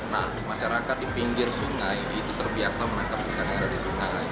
nah masyarakat di pinggir sungai itu terbiasa menangkap ikan yang ada di sungai